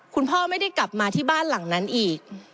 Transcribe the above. คุณพ่อไม่ได้กลับมาที่บ้านหลังนั้นอีก